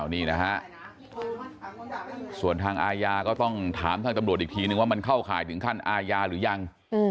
นี่นะฮะส่วนทางอาญาก็ต้องถามทางตำรวจอีกทีนึงว่ามันเข้าข่ายถึงขั้นอาญาหรือยัง